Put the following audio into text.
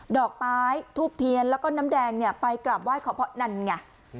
ดอกไม้ทูบเทียนแล้วก็น้ำแดงเนี่ยไปกราบไห้ขอเพราะนั่นไง